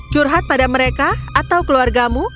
curhat pada mereka atau keluargamu